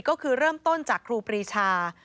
ก็คือเริ่มต้นจากครูปรีชา